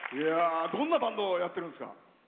どんなバンドをやってるんですか。